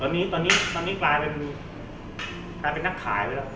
ตอนนี้ตอนนี้ตอนนี้กลายเป็นเป็นนักขายไปแล้ว